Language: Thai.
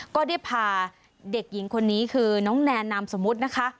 ก็ได้พาเด็กหญิงคนนี้คือน้องแนนนามสมมุตินะคะ